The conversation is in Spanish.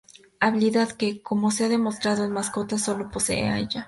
Habilidad que, como se ha demostrado en Mascotas solo posee ella.